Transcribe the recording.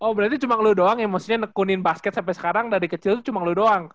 oh berarti cuma lo doang yang mestinya nekunin basket sampai sekarang dari kecil tuh cuma lo doang